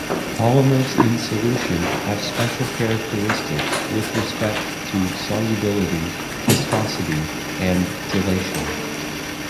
Polymers in solution have special characteristics with respect to solubility, viscosity and gelation.